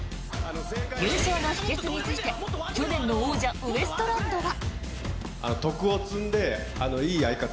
優勝の秘けつについて去年の王者ウエストランドは。